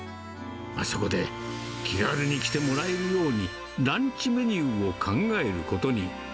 そこで気軽に来てもらえるように、ランチメニューを考えることに。